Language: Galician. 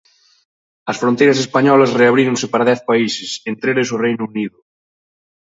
As fronteiras españolas reabríronse para dez países, entre eles o Reino Unido.